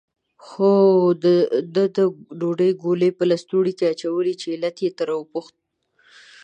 خو ده د ډوډۍ ګولې په لستوڼي کې اچولې، چې علت یې ترې وپوښت.